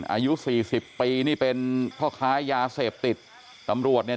อายุสี่สิบปีนี่เป็นพ่อค้ายาเสพติดตำรวจเนี่ย